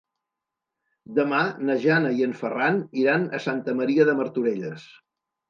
Demà na Jana i en Ferran iran a Santa Maria de Martorelles.